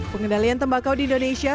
pengendalian tembakau di indonesia